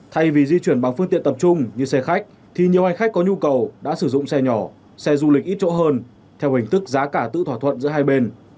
thay vì di chuyển bằng phương tiện tập trung như xe khách thì nhiều hành khách có nhu cầu đã sử dụng xe nhỏ xe du lịch ít chỗ hơn theo hình thức giá cả tự thỏa thuận giữa hai bên